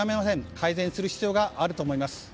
改善する必要があると思います。